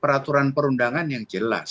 peraturan perundangan yang jelas